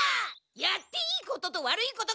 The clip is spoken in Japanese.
やっていいことと悪いことがあると思う！